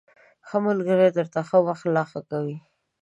ښه ملگري درته ښه وخت لا ښه کوي